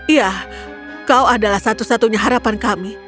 iya kau adalah satu satunya harapan kami